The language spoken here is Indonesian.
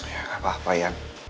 ya gapapa ian